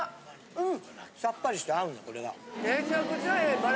うん！